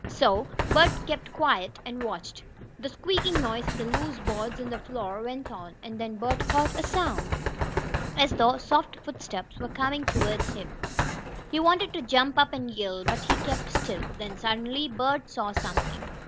So Bert kept quiet and watched. The squeaking noise of the loose boards in the floor went on, and then Bert heard a sound, as though soft footsteps were coming toward him. He wanted to jump up and yell, but he kept still. Then, suddenly, Bert saw something.